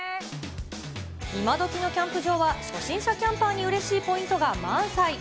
イマドキのキャンプ場は、初心者キャンパーにうれしいポイントが満載。